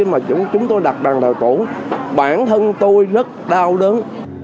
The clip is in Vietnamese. nhưng mà chúng tôi đặt bàn thờ tổ bản thân tôi rất đau đớn